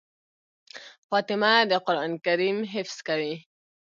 فاطمه د قرآن کريم حفظ کوي.